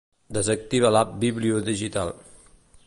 Desactiva l'app Biblio Digital.